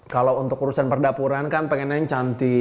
kalau untuk urusan perdapuran kan pengennya yang cantik